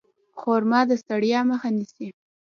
خرما د ستړیا مخه نیسي.